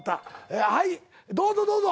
はいどうぞどうぞ。